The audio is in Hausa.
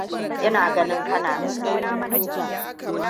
Ina ganin, kana da gaskiya.